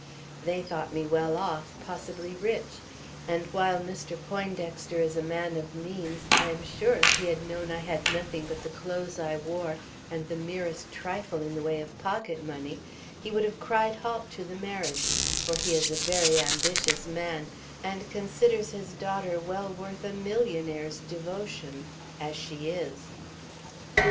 They thought me well off, possibly rich, and while Mr. Poindexter is a man of means, I am sure, if he had known I had nothing but the clothes I wore and the merest trifle in the way of pocket money, he would have cried halt to the marriage, for he is a very ambitious man and considers his daughter well worth a millionaire's devotion as she is.